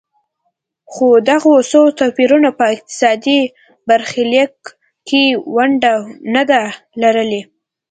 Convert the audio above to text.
خو دغو توپیرونو په اقتصادي برخلیک کې ونډه نه ده لرلې.